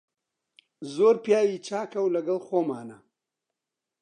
زۆر پیاوی چاکە و لەگەڵ خۆمانە.